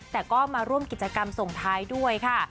แต่ก็มาร่วมกิจกรรมส่งท้ายด้วยค่ะ